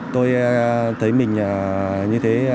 tôi thấy mình